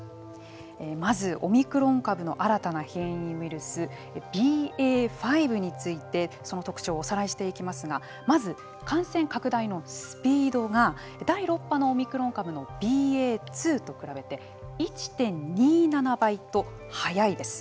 まずオミクロン株の新たな変異ウイルスＢＡ．５についてその特徴をおさらいしていきますがまず感染拡大のスピードが第６波のオミクロン株のＢＡ．２と比べて１．２７倍と早いです。